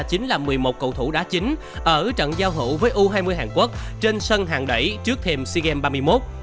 chính là một mươi một cầu thủ đá chính ở trận giao hữu với u hai mươi hàn quốc trên sân hàng đẩy trước thềm sea games ba mươi một